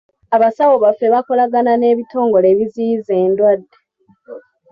Abasawo baffe bakolagana n'ebitongole ebiziyiza endwadde.